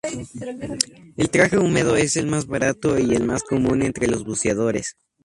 El traje húmedo es el más barato y el más común entre los buceadores.